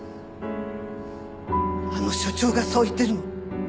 あの署長がそう言ってるの？